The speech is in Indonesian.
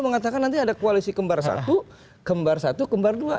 mengatakan nanti ada koalisi kembar satu kembar satu kembar dua